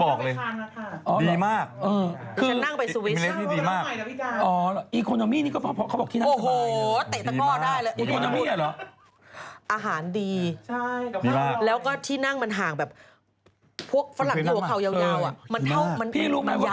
เพราะคุณเห็นรูปแล้วเมื่อกี้นี้